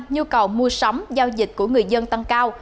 nhu cầu mua sắm giao dịch của người dân tăng cao